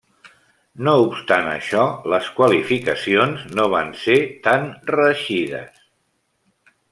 No obstant això, les qualificacions no va ser tan reeixida.